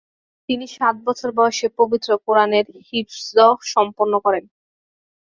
তিনি সাত বছর বয়সে পবিত্র কুরআনের হিফজ সম্পন্ন করেন।